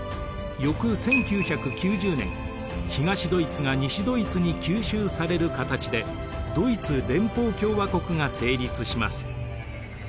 翌１９９０年東ドイツが西ドイツに吸収される形でドイツ連邦共和国が成立します。